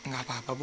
gak apa apa bu